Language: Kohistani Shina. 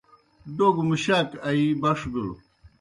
ڈوگوْ مُشاک آیِی بݜ بِلوْ۔